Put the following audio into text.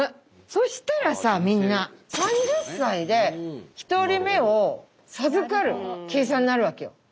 そしたらさみんな３０歳で１人目を授かる計算になるわけよ。